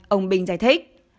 ông bình giải thích